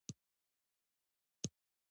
اوښ د افغانستان د جغرافیې بېلګه ده.